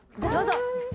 どうぞ。